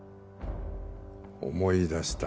思い出したわ。